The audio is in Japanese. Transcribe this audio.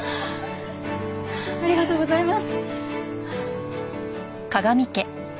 ありがとうございます。